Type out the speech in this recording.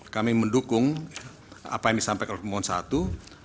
kami mendukung apa yang disampaikan oleh pemohon satu